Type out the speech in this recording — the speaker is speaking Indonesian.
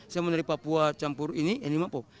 saya mau nari papua campur ini animal pop